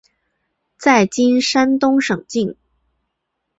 在今山东省境。